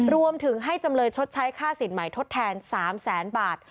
รวมถึงให้จำเลยชดใช้ค่าสินใหม่ทดแทน๓แสนบาท